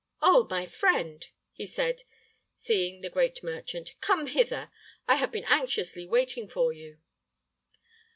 "Oh, my friend," he said, seeing the great merchant; "come hither. I have been anxiously waiting for you."